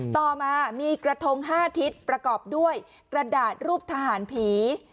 ต่อมามีกระทง๕ทิศประกอบด้วยกระดาษรูปทหารผี